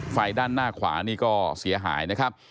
ไฟด้านหน้าขวานี่ก็เสียหายนะครับ